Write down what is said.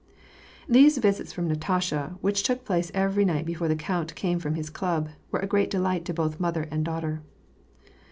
These visits from Natasha, which took place every night before the count came from his club, wero a great delight to both mother and daughter.